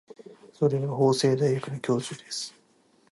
それは法政大学の教授です。